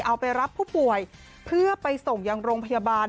เอาไปรับผู้ป่วยเพื่อไปส่งยังโรงพยาบาล